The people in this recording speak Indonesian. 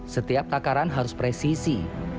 setiap takaran harus presisi